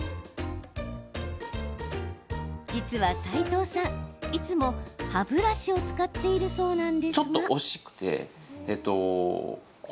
実は齊藤さんいつも歯ブラシを使っているそうなんですが。